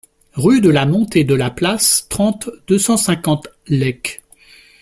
Rue de la Montée de la Place, trente, deux cent cinquante Lecques